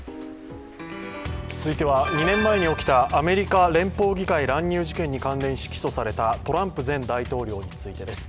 続いては、２年前に起きたアメリカ連邦議会乱入事件に関連し、起訴されたトランプ前大統領についてです。